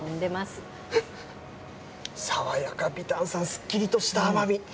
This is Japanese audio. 爽やか、微炭酸、すっきりとした甘み。